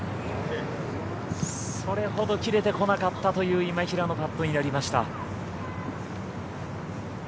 それほど切れてこなかったという今平のパットになりました。